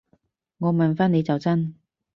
我問返你就真